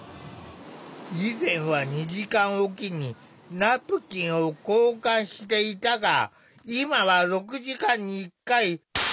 以前は２時間置きにナプキンを交換していたが今は６時間に１回。